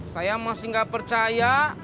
saya masih gak percaya